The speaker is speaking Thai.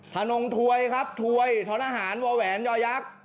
ถนนถวยครับถวยท้อนอาหารวอแหวนยอยักษ์